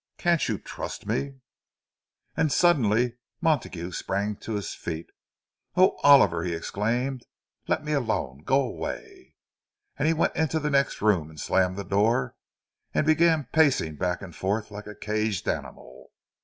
"Can't you trust me—" And suddenly Montague sprang to his feet. "Oh, Oliver," he exclaimed, "let me alone! Go away!" And he went into the next room and slammed the door, and began pacing back and forth like a caged animal.